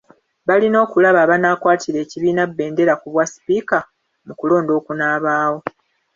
Balina okulaba abanaakwatira ekibiina bbendera ku bwa Sipiika mu kulonda okunaabaawo.